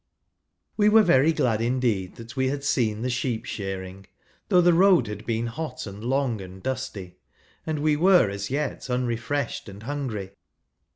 ] We were very glad indeed that we had seen the sheep shearing, though the road had been hot, and long, and dusty, and we were as yet unrefreshed and hungiy.